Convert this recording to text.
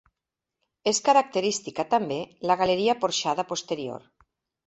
És característica també la galeria porxada posterior.